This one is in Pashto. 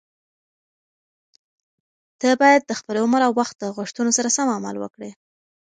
ته باید د خپل عمر او وخت د غوښتنو سره سم عمل وکړې.